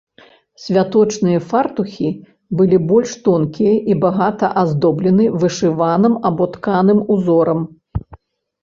Святочныя фартухі былі больш тонкія і багата аздоблены вышываным або тканым узорам.